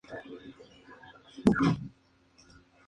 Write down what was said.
Ha recibido aportes de arena para adaptarla al crecimiento turístico.